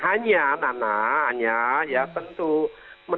hanya nah nah hanya ya tentu ya